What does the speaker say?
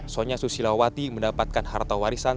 sonya susilawati mendapatkan harta warisan